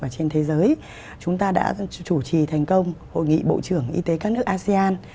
trên thế giới chúng ta đã chủ trì thành công hội nghị bộ trưởng y tế các nước asean